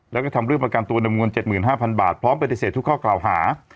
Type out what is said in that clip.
แล้วก็ทำเรื่องประกันตัวในมงวล๗๕๐๐๐บาทพร้อมเป็นที่เสร็จทุกข้อเก่าหา